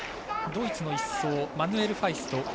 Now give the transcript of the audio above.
ドイツの１走マヌエル・ファイスト。